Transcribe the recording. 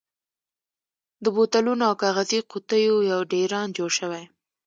د بوتلونو او کاغذي قوتیو یو ډېران جوړ شوی.